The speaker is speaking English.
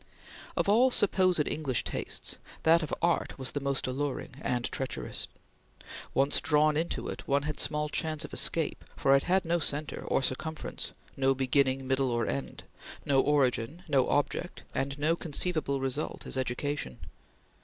Of all supposed English tastes, that of art was the most alluring and treacherous. Once drawn into it, one had small chance of escape, for it had no centre or circumference, no beginning, middle, or end, no origin, no object, and no conceivable result as education.